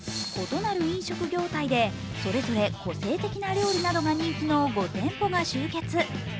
異なる飲食業態でそれぞれ個性的な料理などが人気の５店舗が集結